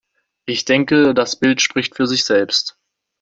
Ich denke, das Bild spricht für sich selbst.